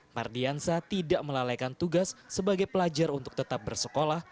mardiansa tidak melalaikan tugas sebagai pelajar untuk tetap bersekolah